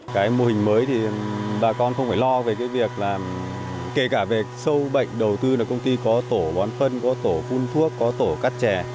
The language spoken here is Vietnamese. cái mô hình mới thì bà con không phải lo về cái việc là kể cả về sâu bệnh đầu tư là công ty có tổ bón phân có tổ phun thuốc có tổ cắt chè